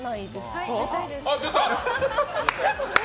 はい、出たいです！